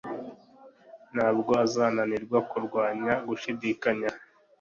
ntabwo uzananirwa kurwanya gushidikanya